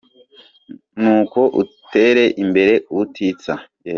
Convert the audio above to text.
Nuko utere imbere ubutitsa.